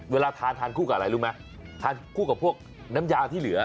เวลาทานทานคู่กับอะไรรู้ไหมทานคู่กับพวกน้ำยาที่เหลือ